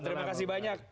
terima kasih banyak